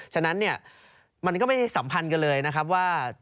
ฉะนั้นเนี่ยมันก็ไม่ได้สัมพันธ์กันเลยนะครับว่า